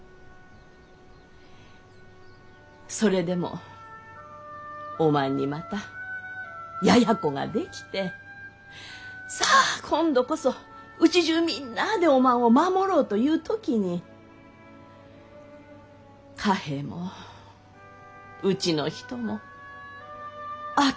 それでもおまんにまたややこができてさあ今度こそうちじゅうみんなあでおまんを守ろうとゆう時に嘉平もうちの人もあっけのう亡うなってしもうた。